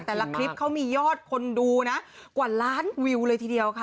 คลิปเขามียอดคนดูนะกว่าล้านวิวเลยทีเดียวค่ะ